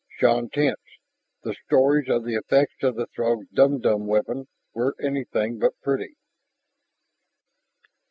Shann tensed. The stories of the effects of the Throg's dumdum weapon were anything but pretty.